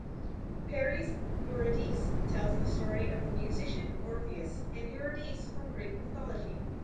Peri's "Euridice" tells the story of the musician Orpheus and Euridice from Greek Mythology.